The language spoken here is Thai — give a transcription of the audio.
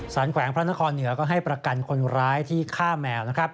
แขวงพระนครเหนือก็ให้ประกันคนร้ายที่ฆ่าแมวนะครับ